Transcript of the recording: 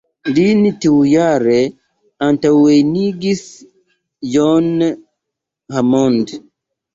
Lin tiujare antaŭenigis John Hammond.